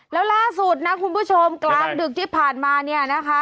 แล้วล่าสุดนะคุณผู้ชมกลางดึกที่ผ่านมาเนี่ยนะคะ